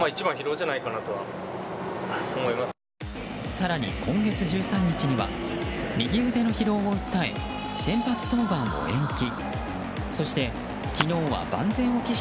更に今月１３日には右腕の疲労を訴え先発登板を延期。